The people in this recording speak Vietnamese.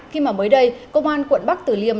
khi mà mới đây công an quận bắc tử liêm